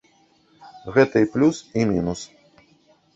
Гэта і плюс, і мінус.